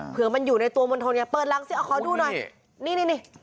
เผื่อมันอยู่ในตัวมณฑลไงเปิดรังสิเอาขอดูหน่อยนี่นี่